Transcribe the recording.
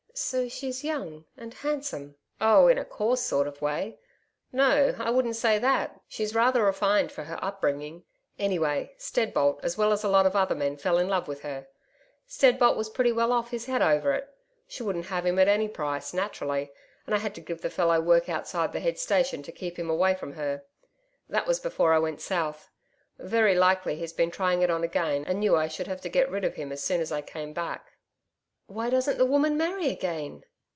So she's young and handsome.' 'Oh, in a coarse sort of way.... No, I wouldn't say that; she's rather refined for her upbringing. Anyway, Steadbolt as well as a lot of other men fell in love with her Steadbolt was pretty well off his head over it. She wouldn't have him at any price naturally and I had to give the fellow work outside the head station to keep him away from her. That was before I went south. Very likely he's been trying it on again, and knew I should have to get rid of him as soon as I came back.' 'Why doesn't the woman marry again?'